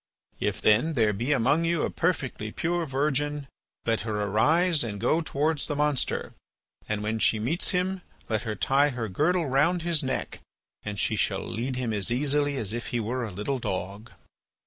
If, then, there be among you a perfectly pure virgin, let her arise and go towards the monster; and when she meets him let her tie her girdle round his neck and she shall lead him as easily as if he were a little dog."